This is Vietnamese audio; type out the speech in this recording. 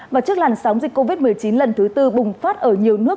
và trước làn sóng dịch covid một mươi chín lần thứ tư bùng phát ở nhiều nước